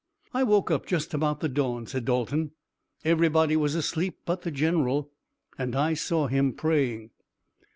"I woke up just about the dawn," said Dalton. "Everybody was asleep, but the general, and I saw him praying."